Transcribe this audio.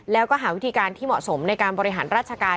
แล้วก็หาวิธีการที่เหมาะสมในการบริหารราชการ